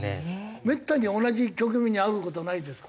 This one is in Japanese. めったに同じ局面にあう事はないですか？